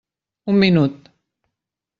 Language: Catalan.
Un minut.